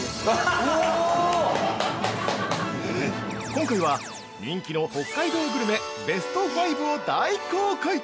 ◆今回は、人気の北海道グルメベスト５を大公開！